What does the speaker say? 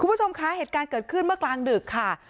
คุณผู้ชมคะเหตุการณ์เกิดขึ้นเมื่อกลางดึกค่ะ